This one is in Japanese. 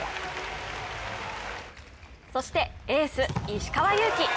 そしてエース・石川祐希。